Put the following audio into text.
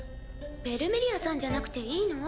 ベルメリアさんじゃなくていいの？